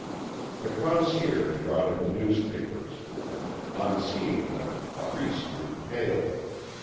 The concierge brought in the newspapers. On seeing them Maurice grew pale.